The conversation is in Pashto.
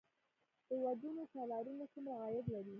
د ودونو تالارونه څومره عاید لري؟